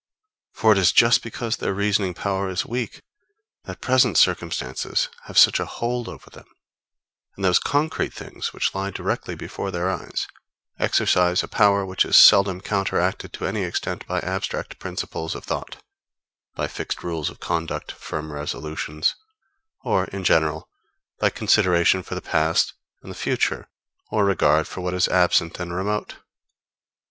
For it is just because their reasoning power is weak that present circumstances have such a hold over them, and those concrete things, which lie directly before their eyes, exercise a power which is seldom counteracted to any extent by abstract principles of thought, by fixed rules of conduct, firm resolutions, or, in general, by consideration for the past and the future, or regard for what is absent and remote.